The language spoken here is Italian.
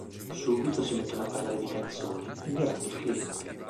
Subito si mettono a parlare di canzoni, ignorando il cliente.